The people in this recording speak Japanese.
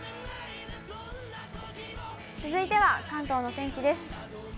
続いては関東のお天気です。